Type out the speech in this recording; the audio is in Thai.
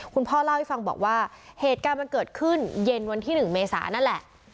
คุณพ่อเล่าให้ฟังบอกว่าเหตุการณ์มันเกิดขึ้นเย็นวันที่๑เมษานั่นแหละ